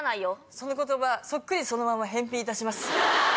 その言葉そっくりそのまま返品いたします。